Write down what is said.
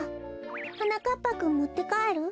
はなかっぱくんもってかえる？